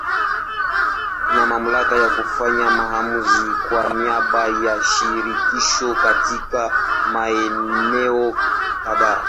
Ina mamlaka ya kufanya maamuzi kwa niaba ya Shirikisho katika maeneo kadhaa.